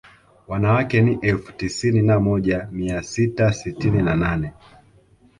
Wanawake ni elfu tisini na moja mia sita sitini na nane